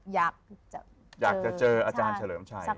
อยากจะเจออาจารย์เฉลิมชัย